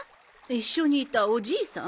一緒にいたおじいさん？